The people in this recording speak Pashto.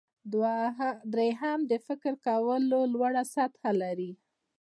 دریم د فکر کولو لوړه سطحه لري.